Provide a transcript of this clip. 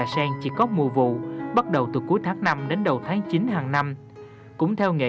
bạn chỉ muốn đánh nhau thôi